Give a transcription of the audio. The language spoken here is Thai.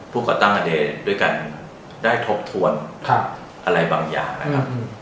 ก่อตั้งประเด็นด้วยกันได้ทบทวนอะไรบางอย่างนะครับ